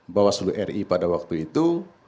bawah seluruh ri pada waktu itu